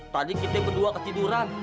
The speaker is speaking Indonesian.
tadi kita berdua ketiduran